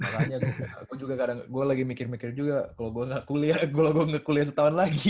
makanya gua juga kadang gua lagi mikir mikir juga kalo gua ga kuliah kalo gua ga kuliah setahun lagi